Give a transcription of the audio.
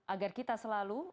agar kita selalu